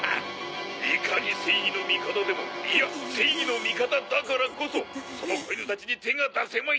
「いかに正義の味方でもいや正義の味方だからこそその小犬たちに手が出せまい！」